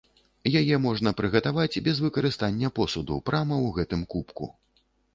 Яе можна прыгатаваць без выкарыстання посуду прама ў гэтым кубку.